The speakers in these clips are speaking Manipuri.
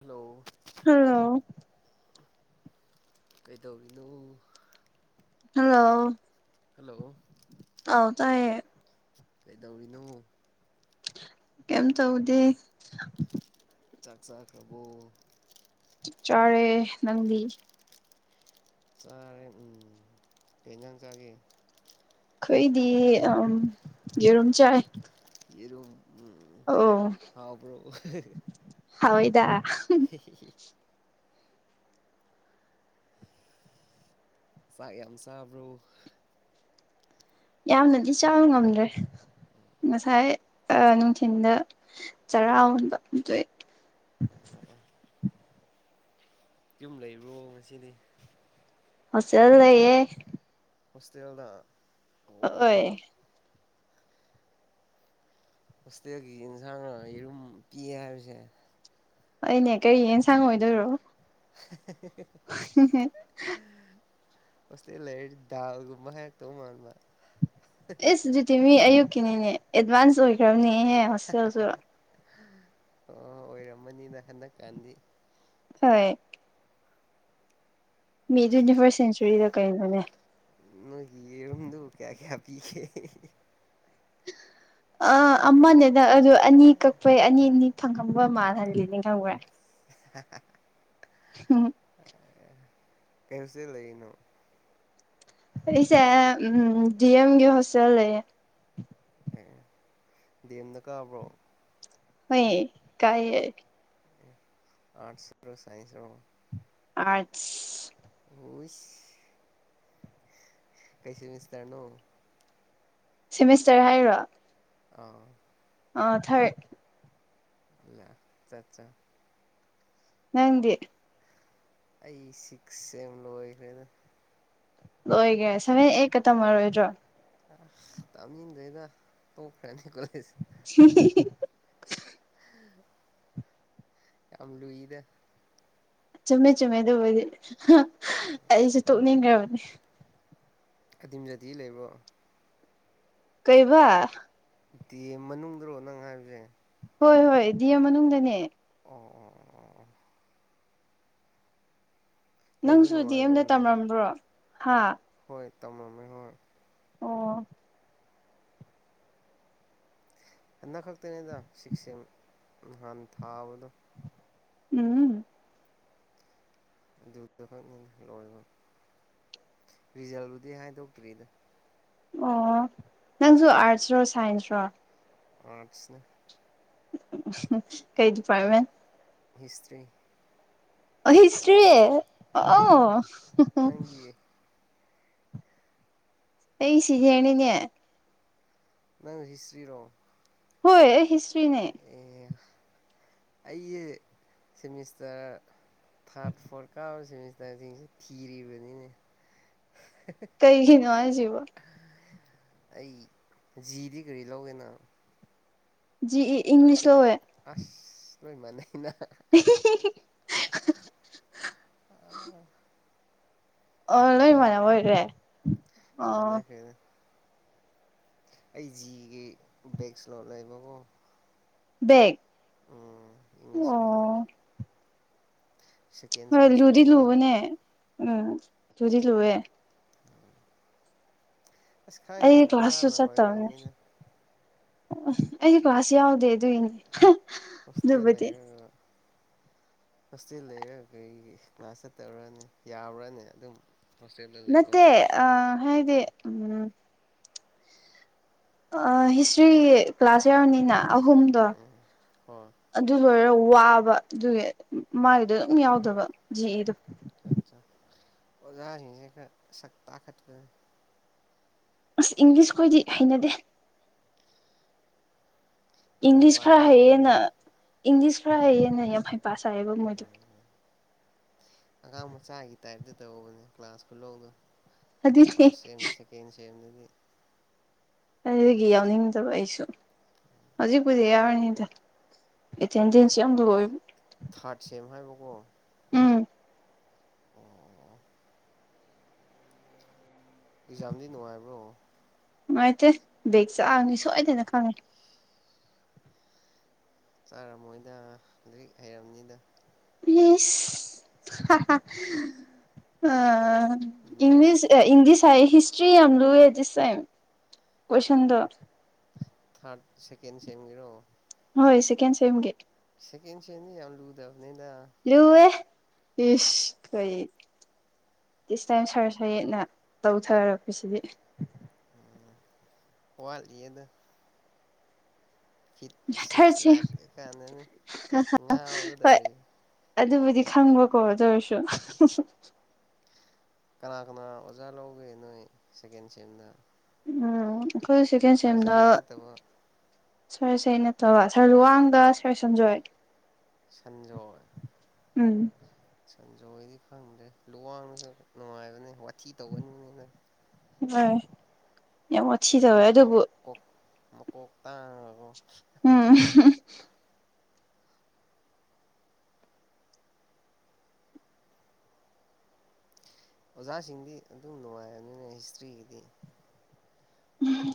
ꯍꯜꯂꯣ ꯑ ꯀꯩꯗꯧꯕꯤꯅꯨ ꯍꯜꯂꯣ ꯍꯜꯂꯣ ꯍꯧ ꯇꯦ ꯀꯩꯗꯧꯔꯤꯅꯣ ꯀꯩꯝ ꯇꯧꯗꯦ ꯆꯥꯛ ꯆꯥ ꯑꯕꯨꯣ ꯆꯥꯔꯦ ꯅꯪꯂꯤ ꯆꯥꯔꯦ ꯎꯝ ꯍꯅꯥꯡ ꯆꯒꯦ ꯑꯩꯈꯣꯏꯗꯤ ꯑ ꯌꯦꯔꯨꯝ ꯆꯥꯏ ꯌꯦꯣꯝ ꯎ ꯑꯣ ꯍꯥꯎꯕ꯭ꯔꯣ ꯍꯥꯎꯗ [unintelligible] ꯆꯥꯛ ꯌꯥꯝ ꯆꯥꯕ꯭ꯔꯣ ꯌꯥꯝꯅꯗꯤ ꯆꯥꯎꯥꯕ ꯉꯝꯗ꯭ꯔꯦ ꯉꯁꯥꯏ ꯅꯨꯡꯊꯤꯤꯟꯗ ꯆꯔꯥ ꯍꯟꯕ ꯑ ꯆꯣꯛꯏ ꯌꯨꯝ ꯂꯩꯕ꯭ꯔꯣ ꯉꯁꯤꯅꯤ ꯍꯁ ꯑꯗꯨ ꯂꯩꯌꯦꯦ ꯍꯣꯁꯇꯦꯜꯗ ꯑꯣ ꯑꯣ ꯑꯣ ꯑꯣꯏꯣꯏ ꯍꯣꯁꯇꯦꯜꯒꯤ ꯌꯦꯟꯁꯥꯡꯅ ꯌꯦꯔꯨꯝ ꯄꯤꯌꯦ ꯍꯥꯏꯕꯁꯦ ꯑꯩꯅꯦ ꯀꯔꯤ ꯌꯦꯟꯁꯥꯡ ꯑꯣꯏꯗꯣꯏꯔꯣ ꯍ [unintelligible] ꯁ ꯂꯩ ꯗꯜꯒꯨꯝꯃ ꯍꯥꯏ ꯇꯣ ꯃꯣꯟꯕ ꯑꯦꯁ ꯑꯗꯨꯗꯤ ꯃꯤ ꯑꯌꯨꯛꯀꯤꯅꯤꯅꯦ ꯑꯦꯗꯚꯥꯟꯁ ꯑꯣꯏꯈ꯭ꯔꯕꯅꯦꯍꯦ ꯍꯣꯁꯇꯦꯜꯁꯨ ꯑꯣ ꯑꯣꯏꯔꯝꯃꯅꯤꯅ ꯍꯟꯗꯛ ꯀꯥꯟꯗꯤ ꯍꯣꯏ ꯃꯤ ꯇ꯭ꯋꯦꯟꯇꯤ ꯐꯥꯔꯁ ꯁꯦꯟꯆꯨꯔꯤꯗ ꯀꯩꯅꯣꯅꯦ ꯅꯒꯤꯔꯝꯗ ꯀꯌꯥ ꯀꯌꯥ ꯄꯤꯈꯦ ꯑ ꯑꯃꯅꯦꯅ ꯑꯗꯨ ꯑꯅꯤ ꯀꯛꯄꯩ ꯑꯅꯤ ꯑꯅꯤ ꯐꯪ ꯈꯪꯕ ꯃꯥꯜꯍꯟꯒ ꯅꯤꯡ ꯈꯪꯈ꯭ꯔꯦ [unintelligible] ꯍꯝ ꯀꯁ ꯂꯩꯩꯅꯣ ꯑꯩꯁꯦ ꯎꯝ ꯗꯤꯑꯦꯝꯒꯤ ꯍꯣꯁꯦ ꯂꯩꯌꯦꯦ ꯑꯦ ꯗꯅ ꯀꯕ꯭ꯔꯣ ꯍ ꯀꯥꯏꯑ ꯑꯔꯠꯁꯣ ꯁꯥꯏꯟꯁ ꯑ ꯍꯨꯁ ꯀꯩꯁꯨ ꯃꯤꯁ ꯇꯔꯅꯣ ꯁꯦꯃꯤꯁꯇꯔ ꯍꯥꯏꯔꯣ ꯑ ꯑ ꯊꯃꯦꯦ ꯏ ꯆ ꯆ ꯅꯪꯒꯤ ꯑꯩ ꯁꯤꯛꯁ ꯁꯦꯝ ꯂ ꯑꯣꯏꯈꯔꯦ ꯂꯣꯏꯈꯔꯦ ꯁꯚꯦꯟ ꯑꯩꯠꯀ ꯇꯝꯃꯔꯣꯏꯗ꯭ꯔꯣ ꯑ ꯇꯝꯅꯤꯗꯦꯗ ꯄꯨꯡꯈꯔꯅꯤ ꯀꯣꯂꯁ ꯁꯤ ꯌꯥꯝ ꯂꯨꯏꯗ ꯆꯨꯝꯃꯦ ꯆꯨꯝꯃꯦ ꯑꯗꯨꯕꯨꯗꯤ ꯑꯩꯁꯨ ꯇꯣꯛꯅꯤꯡꯈ꯭ꯔꯕꯅꯤ ꯑꯗꯤꯝꯖꯗꯤ ꯂꯩꯕꯣ ꯀꯩꯕ ꯗꯦ ꯃꯅꯨꯡꯗ꯭ꯔꯣ ꯅꯪ ꯍꯥꯏꯕꯁꯦ ꯍꯣꯏ ꯍꯣꯏ ꯗꯤꯦꯝ ꯃꯅꯨꯡꯗꯅꯦ ꯑꯣ ꯑꯣ ꯑꯣ ꯑꯣ ꯂꯩꯕ ꯅꯪꯁꯨ ꯗꯤ ꯑꯦꯝꯗ ꯅꯨꯡꯉꯥꯏꯕ꯭ꯔꯣꯅꯦ ꯇꯝꯂꯝꯝꯕ꯭ꯔꯣ ꯍꯥ ꯍ ꯇꯝꯝꯃꯦ ꯍꯣꯏ ꯑꯣ ꯍꯟꯗꯛ ꯈꯛꯇꯅꯤꯗ ꯁꯤꯛꯁꯦ ꯅꯍꯥꯟ ꯊꯥꯕꯗꯣ ꯎꯝ ꯑꯗꯨꯗꯨꯈꯛꯅꯤ ꯂꯣꯏꯔꯤꯕ ꯔꯤꯖꯜꯗꯨꯨꯗꯤ ꯍꯥꯏꯗꯣꯛꯇ꯭ꯔꯤꯗ ꯑꯣ ꯅꯪꯁꯨ ꯑꯥꯔꯠꯁꯔꯣ ꯁꯥꯏꯟꯁ꯭ꯔꯣ ꯑꯔꯠꯁꯅꯦ ꯀꯩ ꯗꯤꯄꯥꯔꯠ꯭ꯃꯦꯟ ꯍꯤꯁꯇ꯭ꯔꯤ ꯍꯤꯁꯇꯔꯤ ꯑ ꯍꯣꯏ ꯅꯪꯗꯤ ꯑꯩ ꯁꯤꯖꯦꯅꯤꯅꯦ ꯅꯪ ꯍꯤꯁꯇ꯭ꯔꯤ ꯔꯣ ꯍꯣꯏ ꯑꯩ ꯍꯤꯁꯇ꯭ꯔꯤꯅꯦ ꯑꯩꯖꯦ ꯁꯤꯃꯤꯁꯇꯔ ꯊꯥꯔꯇ ꯐꯣꯔꯠ ꯀꯥꯕ ꯁꯤꯃꯤꯁꯇꯔ ꯁꯤꯡꯁꯦ ꯊꯤꯔꯤꯅꯤ ꯀꯩꯒꯤ ꯅꯣ ꯑꯥꯏꯖꯤꯕꯨ ꯑꯩ ꯖꯤꯗꯤ ꯀꯔꯤ ꯂꯧꯒꯦꯅ ꯖꯤ ꯏ ꯏꯪꯂꯤꯁ ꯂꯧꯋꯦ ꯑꯁ ꯂꯣꯏ ꯃꯥꯟꯅꯩꯅ [unintelligible] ꯑꯣ ꯂꯣꯏꯃꯅꯕ ꯑꯣꯏꯔꯦ ꯃꯅꯦ ꯑꯣ ꯈꯔꯦꯅ ꯑꯩ ꯖꯤꯒꯤ ꯕꯦꯛꯁ ꯂꯣꯟ ꯂꯩꯕꯕꯣ ꯕꯦꯛ ꯎꯝ ꯏꯪꯂꯤꯁꯀꯤ ꯑꯣ ꯁꯦꯀꯦꯟ ꯍꯣꯏ ꯂꯨꯗꯤ ꯁꯦꯃꯤꯁꯇꯔꯒꯤꯅꯤꯗ ꯂꯨꯕꯅꯦ ꯎꯝ ꯂꯨꯗꯤ ꯂꯨꯋꯦ ꯑꯁ ꯈꯥꯏꯅꯦ ꯑꯩꯗꯤ ꯑꯣꯖꯥꯅ ꯑꯣꯏꯔꯝꯅꯤꯗ ꯎ ꯑꯩꯁꯨ ꯀ꯭ꯂꯥꯁ ꯌꯥꯎꯗꯦ ꯑꯗꯨꯏꯅꯦ ꯍꯣꯇꯦꯜ ꯂꯩꯔꯒ ꯍꯣꯁꯇꯦꯜ ꯂꯩꯔ ꯀꯩ ꯀ꯭ꯂꯥꯁ ꯆꯠꯇꯕꯔ꯭ꯅꯦ ꯌꯥꯕꯔ꯭ꯅꯦ ꯑꯗꯨꯝ ꯍꯣꯁꯇꯦꯜꯗ ꯂꯩꯕ ꯃꯠꯇꯦ ꯑ ꯍꯥꯏꯗꯤ ꯎꯝ ꯍꯤꯁꯇ꯭ꯔꯤ ꯀ꯭ꯂꯥꯁ ꯌꯥꯎꯔꯅꯤꯅ ꯑꯍꯨꯝꯗꯣ ꯎꯝ ꯍꯣꯏ ꯑꯗꯨ ꯂꯣꯏꯔꯒ ꯋꯥꯕ ꯑꯗꯨꯒꯤ ꯃꯥꯒꯤ ꯑꯗꯨꯝ ꯑꯣ ꯌꯥꯎꯗꯕꯗ ꯖꯤ ꯏ ꯗꯨ ꯑꯣꯖꯥ ꯁꯤꯡꯁꯦ ꯈꯔꯥ ꯁꯛ ꯇꯈꯠꯄ ꯑꯁ ꯏꯪꯂꯤꯁꯈꯣꯏꯗꯤ ꯍꯩꯅꯗꯦ ꯌꯥꯝ ꯏꯪꯂꯤꯁ ꯍꯩꯄꯥ ꯐꯔ ꯍꯥꯏꯌꯦꯅ ꯁꯥꯕꯅꯤꯅ ꯏꯪꯂꯤꯁ ꯐꯔ ꯍꯥꯏꯌꯦꯅ ꯌꯥꯝ ꯐꯩ ꯄꯁꯥꯌꯦꯕ ꯃꯣꯏꯗꯨ ꯑꯉꯥꯡ ꯃꯆꯥꯒꯤ ꯇꯥꯏꯞꯇ ꯇꯧꯕꯅꯦ ꯀ꯭ꯂꯥꯁ ꯈꯨꯜꯂꯧꯗꯣ ꯑꯗꯨꯗꯤ ꯐꯥꯔꯁ ꯁꯦꯝ ꯁꯦꯀꯦꯟ ꯁꯦꯝꯗꯨꯗꯤ ꯑꯗꯨꯗꯒꯤ ꯌꯥꯎꯅꯤꯡꯗꯕ ꯑꯩꯁꯨ ꯍꯧꯖꯤꯛꯄꯨꯗꯤ ꯌꯥꯎꯔꯤꯅꯤꯗ ꯑꯦꯇꯦꯟꯗꯦꯟꯁ ꯌꯥꯝ ꯂꯣꯏ ꯊꯥꯔꯠ ꯁꯦꯝ ꯍꯥꯏꯕ ꯀꯣ ꯑꯦꯛꯖꯥꯝꯗꯤ ꯅꯨꯡꯉꯥꯏꯕ꯭ꯔꯣ ꯅꯨꯡꯉꯥꯏꯇꯦ ꯕꯦꯛ ꯆꯥꯛꯑꯅꯤ ꯁꯣꯏꯗꯦꯅ ꯈꯪꯉꯦ ꯆꯥꯔꯝꯃꯣꯏꯗ ꯍꯧꯖꯤꯛ ꯍꯩꯔꯝꯅꯤꯗ ꯏꯁ ꯍꯥ ꯍꯥ ꯑ ꯅꯣ ꯏꯪꯂꯤꯁ ꯏꯪꯂꯤꯁ ꯍꯥꯏ ꯍꯤꯁ ꯇꯔꯤ ꯌꯥꯝ ꯂꯨꯋꯦ ꯗꯤꯁ ꯇꯥꯏꯝ ꯀꯣꯏꯁꯟꯗꯣ ꯊꯔꯗ ꯁꯦꯀꯦꯟ ꯁꯦꯝꯝꯒꯤꯔꯣ ꯍꯣꯏ ꯁꯦꯀꯦꯟ ꯁꯦꯝꯒꯤ ꯁꯀꯦꯟ ꯁꯦꯝꯅꯤ ꯌꯥꯝ ꯂꯨꯗ ꯂꯨꯋꯦ ꯏꯁ ꯀꯩ ꯇꯤꯁꯇꯥꯏꯝ ꯁꯔ ꯁꯍꯤꯠꯅ ꯇꯧꯊꯔꯛꯄꯁꯤꯗꯤ ꯋꯥꯠ ꯂꯤ ꯌꯦꯗ ꯤ ꯁꯤꯛꯁ ꯊꯥꯔꯠꯁꯦ ꯂꯥꯛ ꯀꯥꯟꯗꯅꯦ ꯍꯣꯏ ꯉꯥꯒꯗꯧꯔꯤ ꯑꯗꯨꯕꯨꯗꯤ ꯈꯪꯕꯀꯣ ꯑꯗꯨꯧꯔꯁꯨ ꯀꯅꯥ ꯀꯅꯥ ꯑꯣꯖꯥ ꯂꯧꯒꯦ ꯅꯣꯏ ꯁꯦꯀꯦꯟ ꯁꯦꯝꯗ ꯎꯝ ꯑꯩꯈꯣꯏ ꯁꯦꯀꯦꯟ ꯁꯥꯏꯟꯁꯇ ꯁꯦꯝꯗ ꯍꯤꯠ ꯅꯠꯇꯕ ꯁꯔꯁꯦ ꯅꯠꯇꯕ ꯁꯥꯔ ꯂꯨꯋꯥꯡꯗ ꯁꯤꯔꯣꯏ ꯁꯟꯖꯣꯏꯒꯦ ꯁꯟꯖꯣꯏ ꯎꯝ ꯁꯟꯖꯣꯏꯗꯤ ꯈꯪꯗ꯭ꯔꯦ ꯂꯨꯋꯥꯡꯅꯁꯨ ꯅꯨꯡꯉꯥꯏꯕꯅꯦ ꯋꯥꯊꯤ ꯇꯧꯒꯅꯤꯅꯤꯅ ꯍ ꯌꯥꯝ ꯑꯣꯠꯊꯤ ꯇꯧꯋꯦ ꯑꯗꯨꯕꯨ ꯃꯀꯇ ꯎꯝ ꯑꯣꯖꯥꯁꯤꯡꯗꯤ ꯑꯗꯨꯝ ꯅꯨꯡꯉꯥꯏꯔꯕꯅꯤꯅ ꯍꯤꯁꯇ꯭ꯔꯤꯒꯤꯗꯤ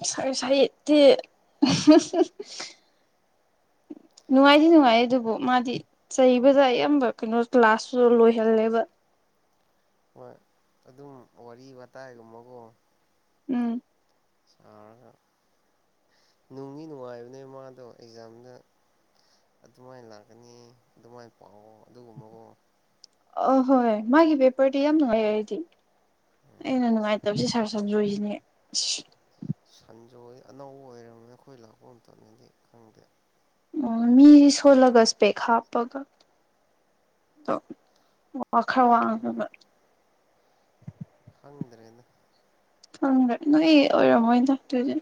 ꯎ ꯁ ꯁꯍꯤꯠꯇ ꯅꯨꯡꯉꯥꯏꯗꯤ ꯅꯨꯡꯉꯥꯏ ꯑꯗꯨꯕꯨ ꯃꯥꯗꯤ ꯆꯩꯕꯗ ꯑꯌꯥꯝꯕ ꯀꯩꯅꯣ ꯀ꯭ꯂꯥꯁꯁꯨ ꯂꯣꯏꯍꯜꯂꯦꯕ ꯍꯣꯏ ꯑꯗꯨꯝ ꯋꯥꯔꯤ ꯋꯥꯇꯥꯏꯒꯨꯝꯕꯀꯣ ꯎꯝ ꯁꯥꯔꯒ ꯅꯨꯡꯒꯤ ꯅꯨꯡꯉꯥꯏꯕꯅꯦ ꯃꯥꯗꯣ ꯑꯦꯛꯖꯥꯝꯗ ꯑꯗꯨꯃꯥꯏꯅ ꯂꯥꯛꯀꯅꯤ ꯑꯗꯨꯃꯥꯏꯅ ꯄꯥꯛ ꯑꯗꯨꯒꯨꯝꯕꯒꯣ ꯑ ꯍꯣꯏ ꯍꯣꯏ ꯃꯥꯒꯤ ꯕꯦꯄꯔꯗꯤ ꯌꯥꯝ ꯅꯨꯡꯉꯥꯏ ꯑꯩꯗꯤ ꯑꯩꯅ ꯅꯨꯡꯉꯥꯏꯇꯕꯁꯦ ꯁꯥꯔ ꯁꯟꯖꯣꯏꯁꯤꯅꯦ ꯑꯁ ꯁꯟꯖ ꯑꯅꯧꯕ ꯑꯣꯏꯔꯝꯅꯤ ꯑꯩꯈꯣꯏ ꯂꯥꯛꯄ ꯃꯇꯝꯗꯗꯤ ꯈꯪꯗꯦ ꯑꯣ ꯃꯤꯁꯤ ꯁꯣꯜꯂꯒꯁꯨꯄꯦꯛ ꯍꯥꯞꯄꯒ ꯑ ꯋꯥꯈꯜ ꯈꯪ ꯋꯥꯡꯕ ꯈꯪꯗ꯭ꯔꯦꯅ ꯈꯪꯗ꯭ꯔꯦ ꯅꯣꯏ ꯑꯣꯏꯔꯝꯃꯣꯏ ꯊꯇꯣꯏꯗꯤ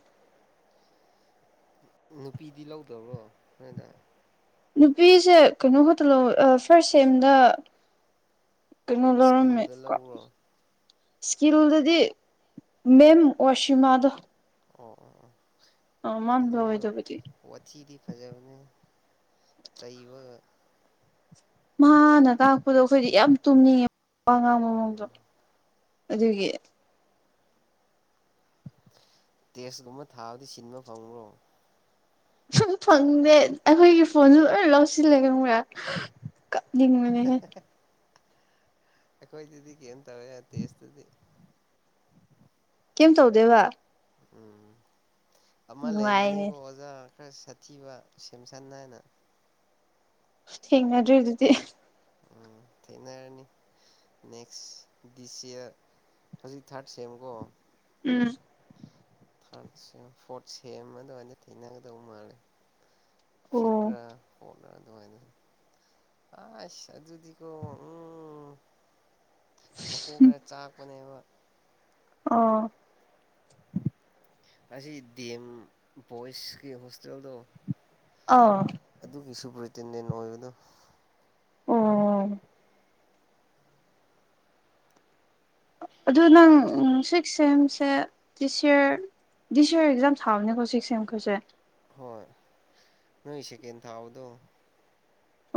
ꯅꯨꯄꯤꯗꯤ ꯂꯧꯗꯕ꯭ꯔꯣ ꯅꯣꯏꯗ ꯅꯨꯄꯤꯁꯦ ꯀꯩꯅꯣ ꯈꯠꯇꯂꯣ ꯐꯥꯔꯁ ꯁꯦꯝꯗ ꯀꯩꯅꯣ ꯂꯧꯔꯝꯃꯦ ꯏꯁꯀꯤꯜꯗ ꯀꯣ ꯂꯧꯕ꯭ꯔꯣ ꯏꯁꯀꯤꯜꯗꯗꯤ ꯃꯦꯝ ꯑꯣꯁꯤꯃꯥꯗꯣ ꯑꯣ ꯑꯣ ꯑꯣ ꯑ ꯑꯗꯨꯁꯨ ꯃꯥꯥꯡꯗꯋꯣꯏꯗꯕꯗꯤ ꯋꯥꯊꯤꯗꯤ ꯐꯖꯕꯅꯦ ꯆꯩꯕ ꯃꯍꯥꯛꯅ ꯇꯥꯛꯄꯗꯣ ꯑꯩꯈꯣꯏꯗꯤ ꯌꯥꯝ ꯇꯨꯝꯅꯤꯡꯉꯦ ꯑꯉꯥꯡ ꯃꯑꯣꯡꯗꯣ ꯎꯝ ꯑꯗꯨꯒꯤ ꯇꯦꯁꯀꯨꯝꯕ ꯊꯥꯕꯗꯤ ꯁꯤꯟꯕ ꯐꯪꯕ꯭ꯔꯣ ꯁꯨꯝ ꯐꯪꯗꯦ ꯑꯩꯈꯣꯏꯒꯤ ꯐꯣꯟꯁꯨ ꯂꯣꯏ ꯂꯧꯁꯤꯜꯂꯦ ꯈꯪ ꯃ꯭ꯔꯦ ꯟ ꯃꯅꯦꯒꯦ ꯑꯈꯣꯏ ꯇꯤꯗꯤ ꯀꯝ ꯇꯧꯋꯦ ꯇꯁ ꯇꯤꯗꯤ ꯀꯩꯝ ꯇꯧꯗꯦꯕ ꯎꯝ ꯑꯃ ꯂꯩꯕꯤꯅꯤ ꯅꯨꯡꯉꯥꯏꯅꯦ ꯀꯣ ꯑꯣꯖꯥ ꯈ ꯁꯥꯊꯤꯕ ꯁꯦꯝꯝꯁꯟ ꯅꯥꯅ ꯊꯦꯡꯅ ꯑꯗꯨꯔꯤ ꯑꯗꯨꯗꯤ ꯎꯝ ꯊꯅ ꯀꯅꯤ ꯅꯦꯛꯁ ꯗꯤꯁ ꯏꯌꯥꯔ ꯍꯧꯖꯤꯛ ꯊꯥꯔꯠ ꯁꯦꯝꯀꯣ ꯎꯝ ꯊꯔ ꯐ ꯁ ꯊꯅ ꯀꯗ ꯎ ꯃꯥꯔꯦ ꯑꯣ ꯁꯤꯗ꯭ꯔꯥ ꯐꯅ ꯑꯗꯨꯃꯥꯏ ꯑꯁ ꯑꯗꯨꯗꯤꯀꯣ ꯎꯝ ꯃꯀꯣꯛ ꯈꯔ ꯆꯥꯛꯄꯅꯦꯕ ꯑꯥ ꯑ ꯁꯤ ꯗꯦꯝ ꯣꯏꯁꯀꯤ ꯍꯣꯁꯇꯦꯜꯗꯣ ꯑꯥ ꯔꯤꯇꯤꯟꯗ ꯑꯣꯏꯗ ꯑꯣ ꯑꯗꯨ ꯅꯪ ꯁꯤꯛꯁ ꯑꯦꯝꯁꯦ ꯗꯤ ꯁꯤ ꯑꯔ ꯗꯤ ꯁꯤ ꯑꯔ ꯑꯦꯛꯖꯥꯝ ꯊꯥꯕꯅꯦꯀꯣ ꯁꯤꯁ ꯑꯦꯝꯈꯣꯏꯁꯦ ꯍꯣꯏ ꯅꯣꯏꯁꯦꯀꯟ ꯊꯥꯥꯎꯗꯣ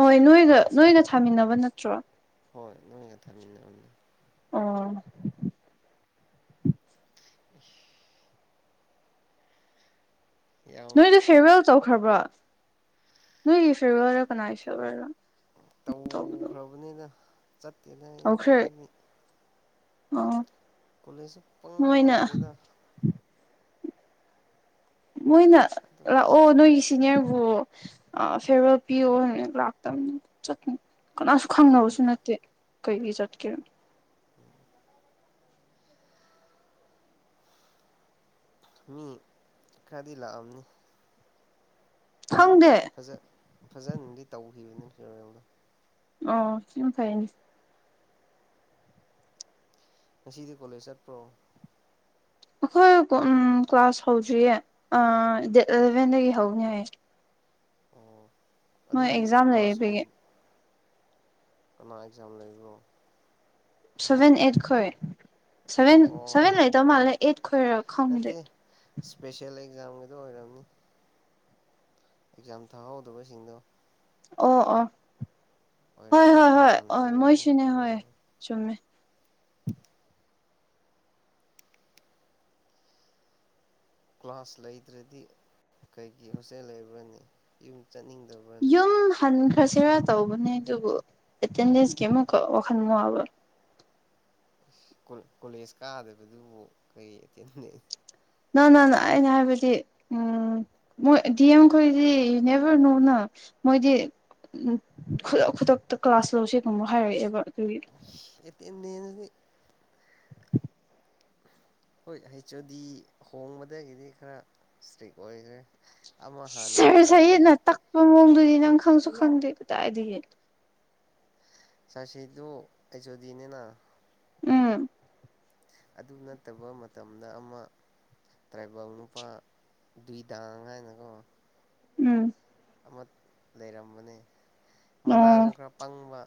ꯍꯣꯏ ꯅꯣꯏꯒ ꯅꯣꯏꯒ ꯊꯥꯃꯤꯟꯅꯕ ꯅꯠꯇ꯭ꯔꯣ ꯍꯣꯏ ꯅꯣꯡ ꯀꯊꯥ ꯃꯝꯅ ꯑꯥ ꯑ ꯌꯥꯝ ꯅꯣꯏꯗ ꯐꯦꯔꯋꯦꯜ ꯇꯧꯈ꯭ꯔꯕ꯭ꯔꯣ ꯅꯣꯏꯒꯤ ꯐꯦꯔꯋꯦꯜꯔ ꯀꯅꯥꯒꯤ ꯐꯦꯋꯋꯦꯜꯔ ꯇꯧꯈ꯭ꯔꯕꯅꯤꯅ ꯆꯠꯇꯦꯅ ꯑꯩ ꯑꯩꯗꯤ ꯑ ꯀꯂꯁꯨꯄꯅ ꯂꯥꯡꯒꯅꯥ ꯀꯗ ꯃꯣꯏꯅ ꯑꯗꯨꯝ ꯂꯥꯛ ꯑꯣ ꯅꯣꯏ ꯁꯤꯅꯤꯌꯔꯕꯨ ꯐꯦꯔꯋꯦꯜ ꯄꯤꯌꯣꯅ ꯂꯥꯛꯇꯕꯅꯤ ꯀꯅꯥꯁꯨ ꯑꯣ ꯈꯪꯅꯕꯁꯨ ꯅꯠꯇꯦ ꯀꯩꯒꯤ ꯆꯠꯀꯦ ꯎꯝ ꯃꯤ ꯀꯗꯤ ꯂꯑꯅꯤ ꯈꯪꯗꯦ ꯐꯖ ꯐꯖꯅꯗꯤ ꯇꯧꯈꯤꯕꯅꯤ ꯐꯤꯔꯣꯦꯜꯗꯣ ꯑ ꯁꯤ ꯊꯥꯏꯅꯤ ꯉꯁꯤꯗꯤ ꯀꯣꯂꯦꯖ ꯆꯠꯄ꯭ꯔꯣ ꯑꯩꯈꯣꯏ ꯀ꯭ꯂꯥꯁ ꯍꯧꯗ꯭ꯔꯤꯌꯦ ꯗꯦꯠ ꯑꯦꯂꯚꯦꯟꯗꯒꯤ ꯍꯧꯅꯤ ꯍꯥꯏꯌꯦ ꯑꯣ ꯃꯣꯏ ꯑꯗꯨꯗꯤ ꯑꯦꯛꯖꯥꯝ ꯂꯩꯌꯦ ꯄꯒꯤ ꯑ ꯑꯦꯛꯖꯥꯝ ꯂꯩꯕꯣ ꯁꯚꯦꯟ ꯑꯦꯠ ꯈ ꯁꯚꯦꯟ ꯁꯚꯦꯟ ꯂꯩ ꯑꯣ ꯇꯧ ꯃꯥꯂ ꯑꯩꯠ ꯈꯣꯏꯔ ꯈꯥꯎ ꯂꯩ ꯖꯝꯒꯦꯗꯣ ꯑꯣꯏꯔꯝꯅꯤ ꯑꯦꯛꯖꯥꯝ ꯊꯥꯍꯧꯗꯕꯁꯤꯡꯗꯣ ꯑꯣ ꯑꯣ ꯍꯣꯏ ꯑꯣꯏꯔꯝꯅꯤ ꯍꯣꯏ ꯍꯣꯏ ꯅꯍꯥꯟ ꯍꯣꯏ ꯑꯣꯏ ꯃꯣꯏꯁꯨꯅꯦ ꯍꯣꯏ ꯎꯝ ꯆꯨꯝꯃꯦ ꯀ꯭ꯂꯥꯁ ꯂꯩꯇ꯭ꯔꯗꯤ ꯀꯩꯒꯤ ꯍꯣꯁꯇꯦꯜ ꯂꯩꯕ꯭ꯔꯅꯤ ꯆꯠꯅꯤꯡꯗꯕꯅꯦ ꯈꯔꯁꯤꯔꯥ ꯇꯧꯕꯅꯦ ꯑꯗꯨꯕꯨ ꯑꯦꯇꯦꯟꯗꯦꯟꯁꯀꯤ ꯑꯃꯨꯛꯀ ꯋꯥꯈꯜ ꯃꯣꯕ ꯑ ꯀꯣꯂꯦꯖ ꯀꯥꯗꯕꯗꯨꯕꯨ ꯀꯔꯤ ꯅ ꯅ ꯅ ꯑꯩꯅ ꯍꯥꯏꯕꯗꯤ ꯎꯝ ꯃꯣꯏ ꯗꯤ ꯑꯦꯝꯈꯣꯏꯗꯤ ꯅꯦꯚꯔꯅꯣꯅ ꯃꯣꯏꯗꯤ ꯎ ꯈꯨꯗꯛ ꯈꯨꯗꯛꯇ ꯀ꯭ꯂꯥꯁ ꯂꯧꯁꯦꯒꯨꯝꯕ ꯍꯥꯏꯔꯛꯑꯦꯕ ꯎ ꯀ ꯅꯩꯅꯅꯗꯤ ꯍꯣꯏ ꯍꯩꯆ ꯑꯣ ꯗꯤ ꯍꯣꯡꯕꯗꯒꯤꯗꯤ ꯈꯔ ꯏꯁꯇ꯭ꯔꯤꯛ ꯑꯣꯏꯈ꯭ꯔꯦ ꯑꯃ ꯍꯥꯟꯅ ꯁꯔ ꯂꯩꯔꯝꯕꯗꯣ ꯁꯌꯦꯠꯅ ꯇꯛꯄ ꯃꯑꯣꯡꯗꯨꯗꯤ ꯅꯪ ꯈꯪꯁꯨ ꯈꯪꯗꯦ ꯀꯗꯥꯏꯗ ꯍ ꯆꯁꯤꯗꯨ ꯑꯩꯁꯨꯗꯤꯅꯦꯅ ꯎꯝ ꯑꯗꯨ ꯅꯠꯇꯕ ꯃꯇꯝꯗ ꯑꯃ ꯇꯔꯥꯏꯕꯥꯎ ꯅꯨꯄꯥ ꯏꯗꯥꯥꯡ ꯍꯥꯏꯅꯀꯣ ꯎꯝ ꯑꯃ ꯂꯩꯔꯝꯕꯅꯤ ꯃꯅꯥꯁꯨ ꯑꯣ ꯈꯔ ꯄꯪꯕ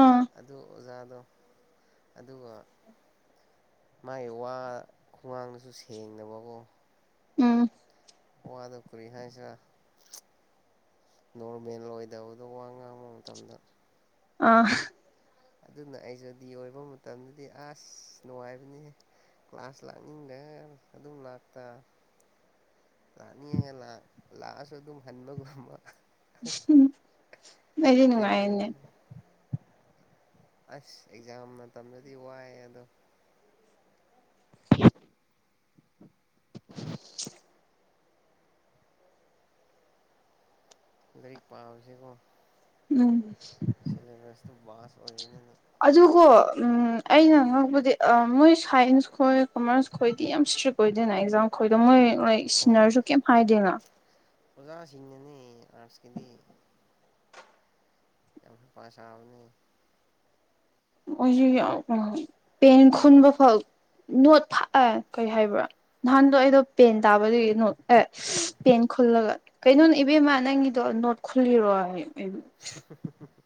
ꯑꯥ ꯑꯗꯨ ꯑꯣꯖꯥ ꯑꯗꯣ ꯑꯗꯨꯒ ꯃꯥꯒꯤ ꯋꯥ ꯍꯨꯃꯥꯡꯗꯁꯨ ꯁꯦꯡꯅꯕꯀꯣ ꯎꯝ ꯋꯥꯗꯈꯔꯤ ꯍꯥꯏꯁ ꯅꯣꯔꯚꯦꯟ ꯂꯣꯏꯗꯕꯗꯣ ꯋꯥ ꯉꯥꯡꯕ ꯃꯇꯝꯗ ꯑ ꯑꯗꯨꯅ ꯑꯩꯁꯨꯗꯤ ꯑꯣꯏꯕ ꯃꯇꯝꯗꯗꯤ ꯑꯁ ꯅꯨꯡꯉꯥꯏꯕꯅꯤꯍ ꯀ꯭ꯂꯥꯁ ꯂꯥꯛꯅꯤꯡꯗ ꯑꯗꯨꯝ ꯂꯥꯛꯇ ꯇꯅꯤꯒ ꯂ ꯂꯥꯁꯨ ꯑꯗꯨ ꯍꯟꯕꯒꯃ ꯃꯔꯤꯅꯉꯅꯦ ꯑꯦꯇꯦꯟꯗꯦꯟꯁ ꯑꯁ ꯑꯦꯛꯖꯥꯝ ꯃꯇꯝꯗꯨꯗꯤ ꯋꯥꯏꯑ ꯑꯗꯣ [unintelligible] ꯔꯤ ꯄꯥꯥꯎꯁꯤꯦꯕꯨꯣ ꯎꯝ ꯆꯂꯒꯦꯁꯇ ꯑꯗꯨꯣ ꯎꯝ ꯎꯝ ꯑꯩꯅꯉꯛꯄꯗꯤ ꯃꯣꯏ ꯁꯥꯏꯟꯁ ꯈꯣꯏ ꯀꯣꯃꯔꯁ ꯈꯣꯏꯗꯤ ꯌꯥꯝ ꯏꯁꯇ꯭ꯔꯤꯛ ꯑꯣꯏꯗꯦꯅ ꯑꯦꯛꯖꯥꯝ ꯈꯣꯏꯗ ꯃꯣꯏ ꯂꯣꯏ ꯁꯤꯟꯅꯔꯁꯨ ꯀꯩꯝ ꯍꯥꯏꯗꯦꯅ ꯑꯣꯖꯥ ꯁꯤꯅꯦꯅꯦ ꯑꯔꯠꯁ ꯀꯦꯗꯤ ꯌꯥꯝ ꯄꯁꯥꯕꯅꯤ ꯄꯦꯟ ꯈꯨꯟꯕ ꯐꯥꯎ ꯅꯣꯠ ꯊꯑ ꯀꯩ ꯍꯥꯏꯕ꯭ꯔꯥ ꯅꯍꯥꯟꯗꯣ ꯑꯩꯗꯣ ꯄꯦꯟ ꯇꯥꯕꯗꯨꯗꯒꯤ ꯅꯣꯠ ꯑꯦ ꯎꯝ ꯄꯦꯟ ꯈꯨꯜꯂꯒ ꯀꯩꯅꯣꯅ ꯏꯕꯦꯝꯃ ꯅꯪꯒꯤꯗꯣ ꯅꯣꯠ ꯈꯨꯜꯂꯤꯔꯣ ꯑꯩꯕꯨ [inaudible] [unintelligible]